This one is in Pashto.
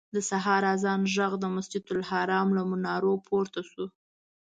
د سهار اذان غږ د مسجدالحرام له منارونو پورته شو.